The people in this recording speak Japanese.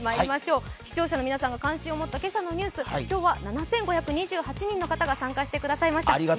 視聴者の皆さんが関心を持った今朝のニュース、今日は７５２８人の方が参加してくださいました。